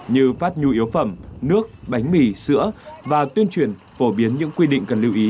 như phát nhu yếu phẩm nước bánh mì sữa và tuyên truyền phổ biến những quy định cần lưu ý